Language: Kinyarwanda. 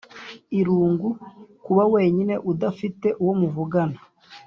irungu: kuba wenyine udafite uwo muvugana.